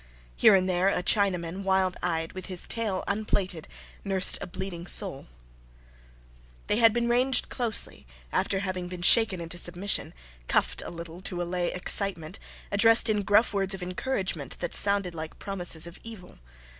Here and there a Chinaman, wild eyed, with his tail unplaited, nursed a bleeding sole. They had been ranged closely, after having been shaken into submission, cuffed a little to allay excitement, addressed in gruff words of encouragement that sounded like promises of evil.